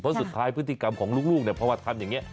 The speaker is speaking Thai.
เพราะสุดท้ายพฤติกรรมของลูกเนี่ยเพราะว่าทำอย่างนี้